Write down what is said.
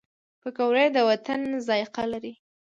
پکورې د وطن ذایقه لري